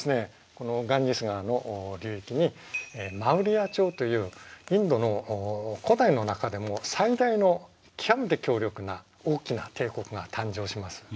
このガンジス川の流域にマウリヤ朝というインドの古代の中でも最大の極めて強力な大きな帝国が誕生します。